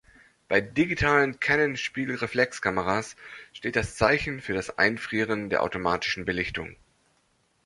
Bei digitalen Canon-Spiegelreflexkameras steht das Zeichen für das Einfrieren der automatischen Belichtung.